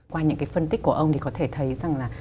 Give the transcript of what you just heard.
qua những cái phân tích của ông thì có thể thấy rằng là